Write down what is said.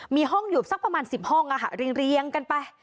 มีห้องอยู่สักประมาณสิบห้องอ่ะค่ะเรียงกันไป